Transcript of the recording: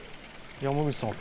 山口さん